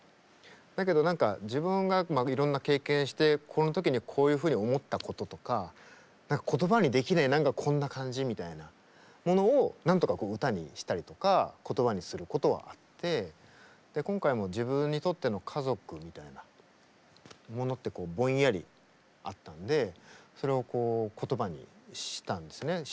だけど何か自分がいろんな経験してこの時にこういうふうに思ったこととか言葉にできない「何かこんな感じ」みたいなものを何とか歌にしたりとか言葉にすることはあって今回も自分にとっての家族みたいなものってぼんやりあったんでそれを言葉にしたんですね。